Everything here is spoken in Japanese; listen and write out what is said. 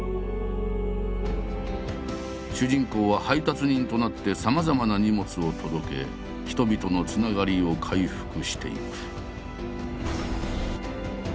主人公は配達人となってさまざまな荷物を届け人々の繋がりを回復していく。